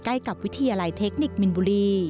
ใกล้กับวิทยาลัยเทคนิคมินบุรี